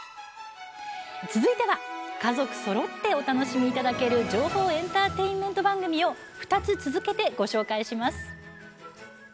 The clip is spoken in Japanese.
続いては家族そろってお楽しみいただける情報エンターテインメント番組を２つ続けてご紹介します。